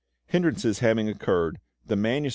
Hindrances having occurred, the MS.